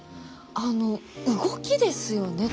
あの動きですよね